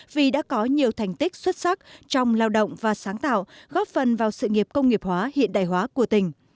vì đã có nhiều thành tích xuất sắc trong lao động và sáng tạo góp phần vào sự nghiệp công nghiệp hóa hiện đại hóa của tỉnh